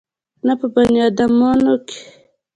نه په بنيادامانو کښې.